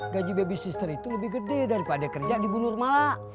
gaji baby sister itu lebih gede daripada kerja di bu nurmala